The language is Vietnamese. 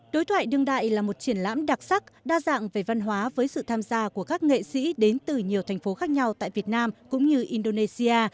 đối thoại đương đại là một triển lãm đặc sắc đa dạng về văn hóa với sự tham gia của các nghệ sĩ đến từ nhiều thành phố khác nhau tại việt nam cũng như indonesia